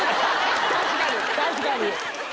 確かに確かに。